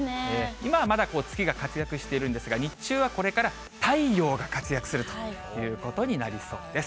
今はまだ月が活躍しているんですが、日中はこれから太陽が活躍するということになりそうです。